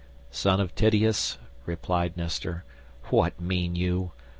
"Son of Tydeus," replied Nestor, "what mean you?